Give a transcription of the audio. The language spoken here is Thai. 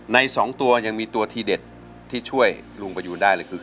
ใน๒ตัวยังมีตัวทีเด็ดที่ช่วยลุงประยูนได้เลยคือ